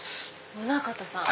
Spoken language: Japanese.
宗形さん？